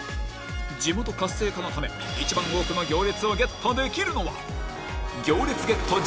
地元活性化のため一番多くの行列をゲットできるのは？